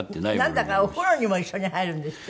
なんだかお風呂にも一緒に入るんですって？